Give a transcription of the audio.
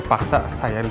gak ada pemasangan